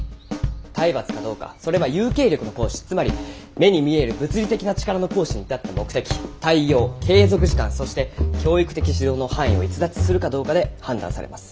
体罰かどうかそれは有形力の行使つまり目に見える物理的な力の行使に至った目的態様継続時間そして教育的指導の範囲を逸脱するかどうかで判断されます。